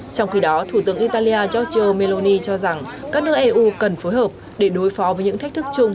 trong khi đó thủ tướng italia giorgio meloni cho rằng các nước eu cần phối hợp để đối phó với những thách thức chung